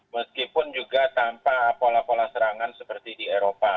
meskipun juga tanpa pola pola serangan seperti di eropa